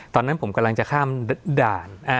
ตอนนั้นผมกำลังจะข้ามด่าน